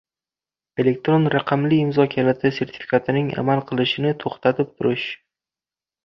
Elektron raqamli imzo kaliti sertifikatining amal qilishini to‘xtatib turish